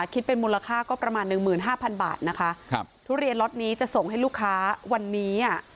คิดเป็นมูลค่าก็ประมาณ๑๕๐๐๐บาททุเรียนล็อตนี้จะส่งให้ลูกค้าวันนี้